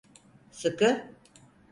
Sıkı…